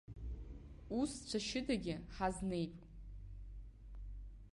Ус, цәашьыдагьы ҳазнеип!